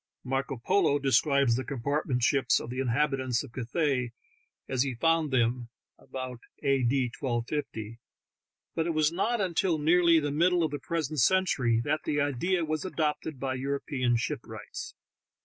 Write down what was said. Marco Polo describes the compartment ships of the inhabitants of Cathay as he found them (about A. D. 1250), but it was not until nearly the middle of the present century that the idea was adopted by European shipwrights.